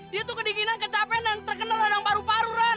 dia tuh kediginan kecapean dan terkenal radang paru paru ran